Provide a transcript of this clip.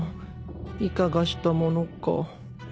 いかがしたものか。